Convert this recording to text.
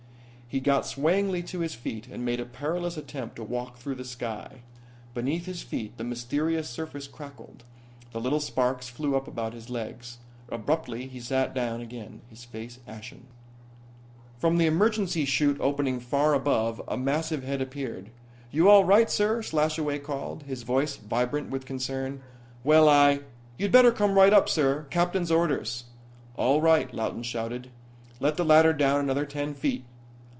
He got swayingly to his feet and made a perilous attempt to walk through the sky. Beneath his feet the mysterious surface crackled, and little sparks flew up about his legs. Abruptly he sat down again, his face ashen. From the emergency 'chute opening far above a massive head appeared. "You all right, sir," Slashaway called, his voice vibrant with concern. "Well, I " "You'd better come right up, sir. Captain's orders." "All right," Lawton shouted. "Let the ladder down another ten feet."